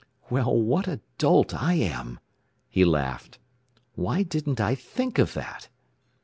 "Well, what a dolt I am," he laughed. "Why didn't I think of that?